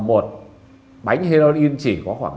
một bánh heroin chỉ có khoảng